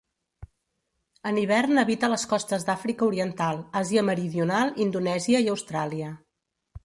En hivern habita les costes d'Àfrica Oriental, Àsia Meridional, Indonèsia i Austràlia.